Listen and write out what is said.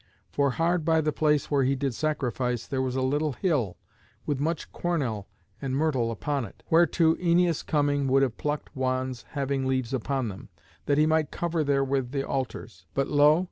For hard by the place where he did sacrifice there was a little hill, with much cornel and myrtle upon it, whereto Æneas coming would have plucked wands having leaves upon them, that he might cover therewith the altars. But lo!